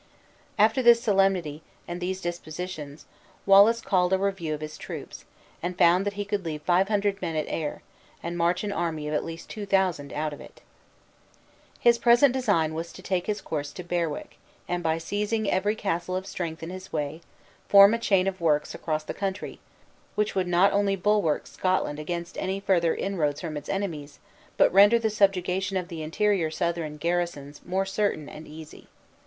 After this solemnity, and these dispositions, Wallace called a review of his troops; and found that he could leave five hundred men at Ayr, and march an army of at least two thousand out of it. His present design was to take his course to Berwick; and, by seizing every castle of strength in his way, form a chain of works across the country, which would not only bulwark Scotland against any further inroads from its enemies, but render the subjugation of the interior Southron garrisons more certain and easy.